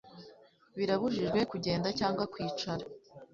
birabujijwe kugenda cyangwa kwicara